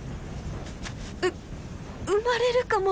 う生まれるかも。